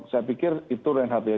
saya pikir itu yang satu ya